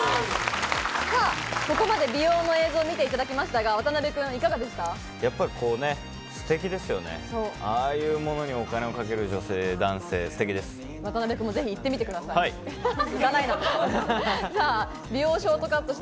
ここまで美容の映像を見ていただきましたが、渡邊君いかがでした？